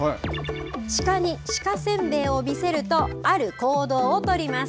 鹿に鹿せんべいを見せるとある行動を取ります。